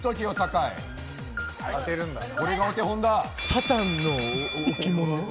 サタンの置物。